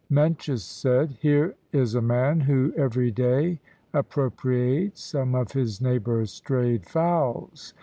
Mencius said, "Here is a man who every day appro priates some of his neighbors' strayed fowls.